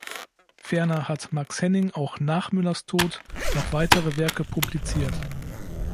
Ferner hat Max Henning auch nach Müllers Tod noch weitere Werke publiziert.